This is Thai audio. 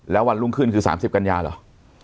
แล้ววันรุ่งขึ้นคือ๓๐กันยาเหรอ